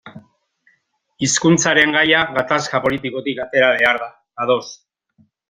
Hizkuntzaren gaia gatazka politikotik atera behar da, ados.